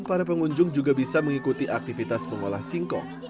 para pengunjung juga bisa mengikuti aktivitas mengolah singkong